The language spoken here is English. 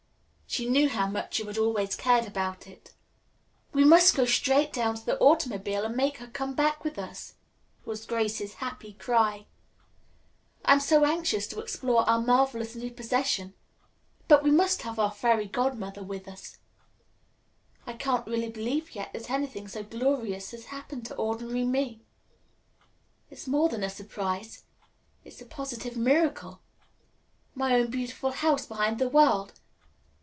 She knew how much you had always cared about it." "We must go straight down to the automobile and make her come back with us," was Grace's happy cry. "I am so anxious to explore our marvelous new possession. But we must have our Fairy Godmother with us. I can't really believe yet that anything so glorious has happened to ordinary me. It's more than a surprise. It's a positive miracle. My own beautiful House Behind the World!